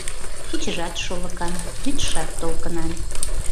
Кечыжат шолыкан, вӱдшат толкынан